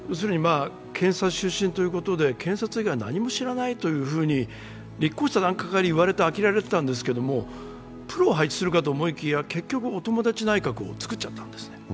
検察出身ということで検察以外何も知らないと立候補した段階から言われてて、あきれられていたんですけど、プロを配置するかと思いきや結局お友達内閣を作っちゃったんです。